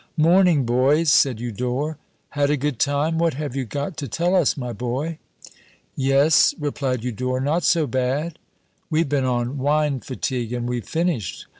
"Morning, boys," said Eudore. "Had a good time? What have you got to tell us, my boy?" "Yes," replied Eudore, "not so bad." "We've been on wine fatigue, and we've finished.